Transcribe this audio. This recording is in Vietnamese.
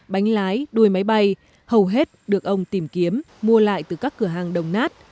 bánh lái đuôi máy bay hầu hết được ông tìm kiếm mua lại từ các cửa hàng đồng nát